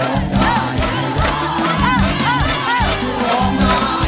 โอเคจริง